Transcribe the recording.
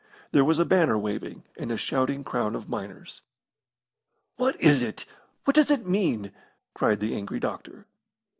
There was a banner waving, and a shouting crowd of miners. "What is it? What does it mean?" cried the angry doctor.